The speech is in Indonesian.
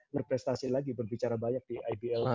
berprestasi lagi berbicara banyak di ibl